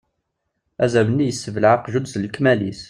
Azrem-nni yessebleε aqjun s lekmal-is.